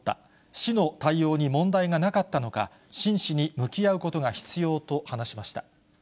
市の対応に問題がなかったのか、真摯に向き合うことが必要と話しました。